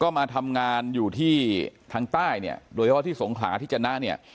ก็มาทำงานอยู่ที่ทางใต้เนี่ยโดยว่าที่สงขาที่จันนั้นเนี่ย